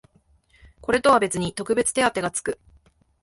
これとは別に特別手当てがつく